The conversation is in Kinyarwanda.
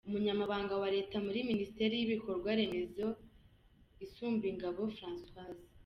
Umunyamabanga wa Leta muri Minisiteri y’ibikorwa Remezo Isumbingabo Francoise.